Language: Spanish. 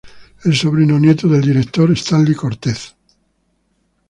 Es sobrino nieto del director Stanley Cortez.